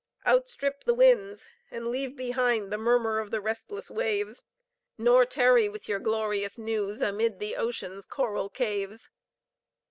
Outstrip the winds, and leave behind The murmur of the restless waves; Nor tarry with your glorious news, Amid the ocean's coral caves.